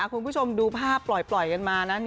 คุณผู้ชมดูภาพปล่อยกันมานะ